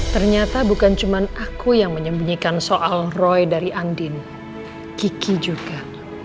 ternyata bukan cuma aku yang menyembunyikan soal roy dari andin kiki juga